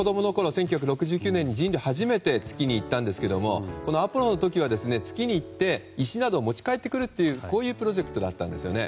１９６９年に人類初めて月に行ったんですがアポロの時は月に行って石などを持ち帰ってくるというプロジェクトだったんですね。